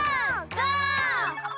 ゴー！